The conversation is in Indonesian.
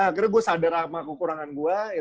akhirnya gue sadar sama kekurangan gue